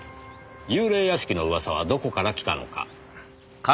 幽霊屋敷の噂はどこから来たのか。